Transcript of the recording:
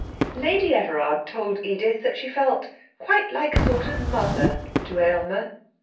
Lady Everard told Edith that she felt quite like a sort of mother to Aylmer.